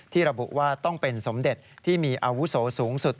ระบุว่าต้องเป็นสมเด็จที่มีอาวุโสสูงสุด